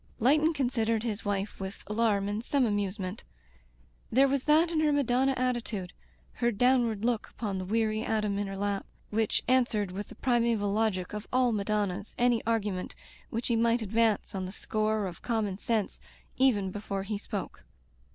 Leighton considered his wife with alarm and some amusement. There was that in her Madonna attitude, her downward look upon the weary atom in her lap, which answered with the primeval logic of all Madonnas any argument which he might advance on the score of conunon sense, even before he spoke.